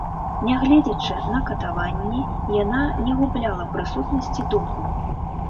Нягледзячы на катаванні, яна не губляла прысутнасці духу.